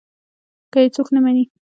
که يې څوک نه مني.